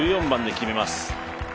１４番で決めます。